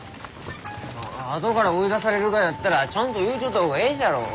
あとから追い出されるがやったらちゃんと言うちょった方がえいじゃろう。